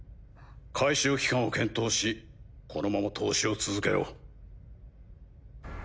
回収期間を検討しこのまま投資を続けろ。